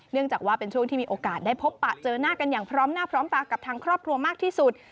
จากว่าเป็นช่วงที่มีโอกาสได้พบปะเจอหน้ากันอย่างพร้อมหน้าพร้อมตากับทางครอบครัวมากที่สุด